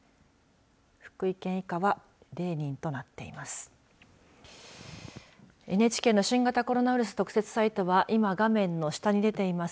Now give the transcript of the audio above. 福井県以下は０人となっています。